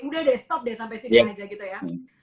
udah deh stop deh sampai sini meja gitu ya